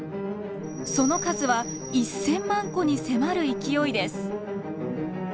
その数は１，０００万戸に迫る勢いです。